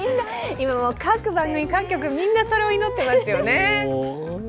今、各番組、各局みんなそれを祈ってますよね。